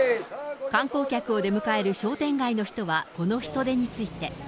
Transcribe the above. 観光客を出迎える商店街の人は、この人出について。